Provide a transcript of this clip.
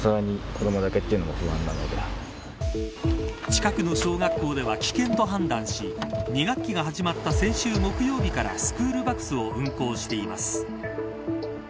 近くの小学校では危険と判断し２学期が始まった先週木曜日からスクールバスを運行しています。